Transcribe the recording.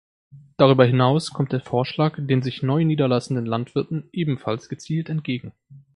Darüber hinaus kommt der Vorschlag den sich neu niederlassenden Landwirten ebenfalls gezielt entgegen.